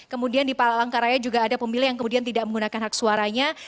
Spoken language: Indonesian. kemudian di palangkaraya juga ada pemilih yang kemudian tidak menggunakan hak suaranya